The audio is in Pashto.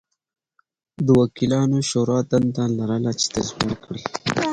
د دوکیانو شورا دنده لرله چې تضمین کړي